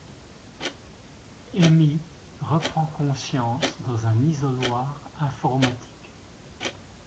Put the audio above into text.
Amy reprend conscience dans un isoloir informatique.